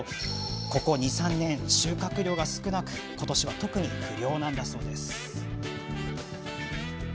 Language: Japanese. ここ２、３年は収穫量が少なく今年は特に不漁なんだそうです。